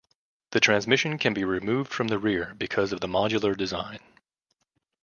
The transmission can be removed from the rear because of the modular design.